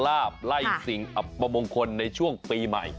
อับประมงคลในช่วงปีใหม่